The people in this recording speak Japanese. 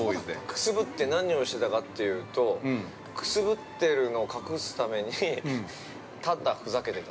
◆くすぶって何をしてたかというと、くすぶってるのを隠すために多々ふざけてた。